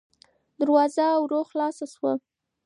دروازه ورو خلاصه شوه.